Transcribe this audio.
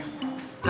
sonye atuh viego satu